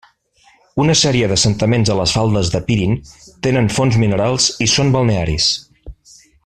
Una sèrie d'assentaments a les faldes de Pirin tenen fonts minerals i són balnearis.